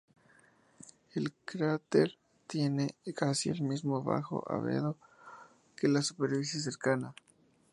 El cráter tiene casi el mismo bajo albedo que la superficie cercana.